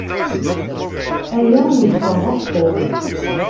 Aya yeffeɣ ɣef Tom.